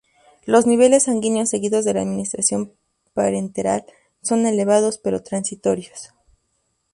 Los niveles sanguíneos seguidos de la administración parenteral son elevados pero transitorios.